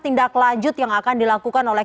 tindak lanjut yang akan dilakukan oleh